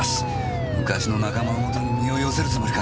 昔の仲間のもとに身を寄せるつもりか？